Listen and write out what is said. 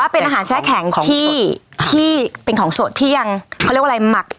เป็นอาหารแช่แข็งนะค่ะต้องเปิดแช่แข็งนะคะ